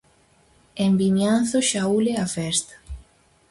En Vimianzo xa ule a festa.